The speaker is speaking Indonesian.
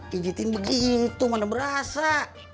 pijetin begitu mana berasa